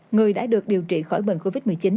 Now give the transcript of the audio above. người đã được điều trị khỏi bệnh covid một mươi chín